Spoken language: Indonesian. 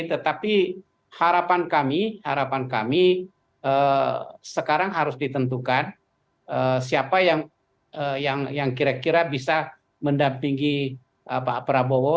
tetapi harapan kami harapan kami sekarang harus ditentukan siapa yang kira kira bisa mendampingi pak prabowo